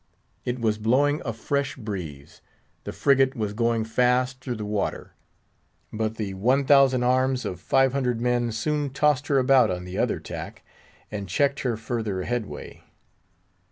It was blowing a fresh breeze; the frigate was going fast through the water. But the one thousand arms of five hundred men soon tossed her about on the other tack, and checked her further headway.